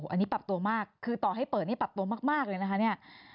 อันนี้ปรับตัวมากคือต่อให้เปิดนี่ปรับตัวมากเลยนะคะเนี่ย